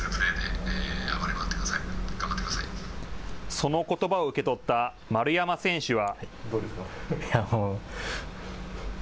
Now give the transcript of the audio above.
そのことばを受け取った丸山選手は。